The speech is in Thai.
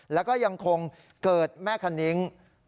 แล้วก็ยังคงเกิดแม่คณิ้ง